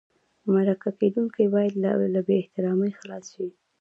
مرکه کېدونکی باید له بې احترامۍ خلاص شي.